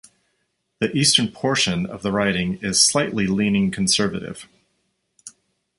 The eastern portion of the riding is slightly leaning Conservative.